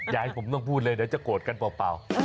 อยากให้ผมต้องพูดเลยเดี๋ยวจะโกรธกันเปล่า